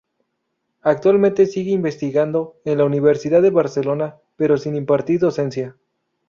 Actualmente sigue investigando en la Universidad de Barcelona pero sin impartir docencia.